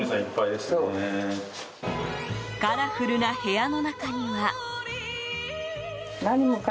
カラフルな部屋の中には。